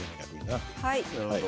なるほど。